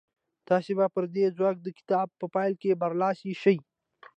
تاسې به پر دې ځواک د کتاب په پيل کې برلاسي شئ.